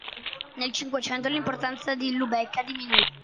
Nel Cinquecento l'importanza di Lubecca diminuì.